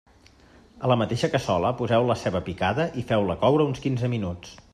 A la mateixa cassola poseu la ceba picada i feu-la coure uns quinze minuts.